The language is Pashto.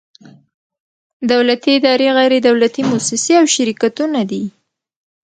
دولتي ادارې، غیر دولتي مؤسسې او شرکتونه دي.